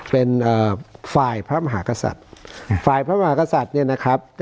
เป็นฝ่ายพระมหากษัตริย์ฝ่ายพระมหากษัตริย์เนี่ยนะครับ